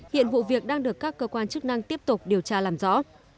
hiện vụ việc đang được các cơ quan chức năng tiếp tục điều tra làm rõ